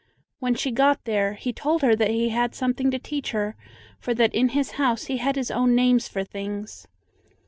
When she got there, he told her that he had something to teach her, for that in his house he had his own names for things.